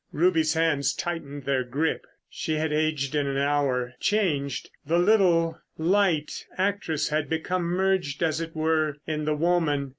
Ruby's hands tightened their grip. She had aged in an hour; changed. The little, light actress had become merged, as it were, in the woman.